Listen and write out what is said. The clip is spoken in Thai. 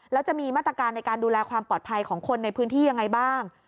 แล้วจะมีมาตรการในการดูแลความปลอดภัยของคนในพื้นที่ยังไงบ้าง